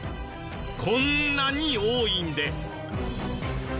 こんなに多いんです。